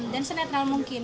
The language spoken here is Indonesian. dan senetral mungkin